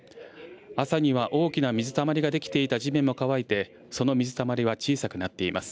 朝には大きな水たまりができていた地面も乾いて、その水たまりは小さくなっています。